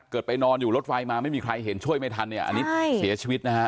ไปนอนอยู่รถไฟมาไม่มีใครเห็นช่วยไม่ทันเนี่ยอันนี้เสียชีวิตนะฮะ